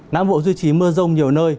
nam vụ duy trì mưa rông nhiều nơi